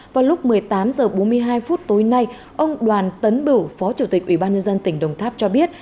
vào lúc một mươi tám h bốn mươi hai phút tối nay ông đoàn tấn bửu phó chủ tịch ubnd tỉnh đồng tháp cho biết